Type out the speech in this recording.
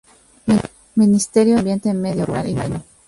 Ministerio de Medio Ambiente, Medio Rural y Marino.